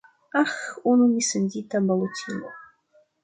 Aĥ, unu missendita balotilo.